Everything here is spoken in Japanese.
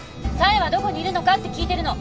紗英はどこにいるのかって聞いてるの！